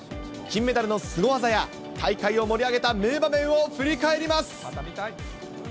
金メダルのすご技や、大会を盛り上げた名場面を振り返ります。